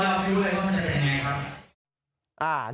พอเราไปดูแลก็ว่ามันจะเป็นอย่างไรครับ